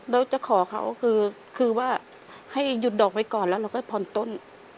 เราจะขอเขาคือว่าให้หยุดดอกไว้ก่อนแล้วเราก็ผ่อนต้น